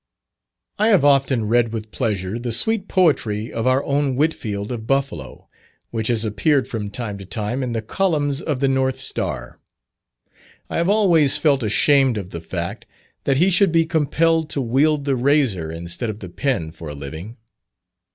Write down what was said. I have often read with pleasure the sweet poetry of our own Whitfield of Buffalo, which has appeared from time to time in the columns of the North Star. I have always felt ashamed of the fact that he should be compelled to wield the razor instead of the pen for a living.